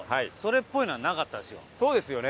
そうですよね。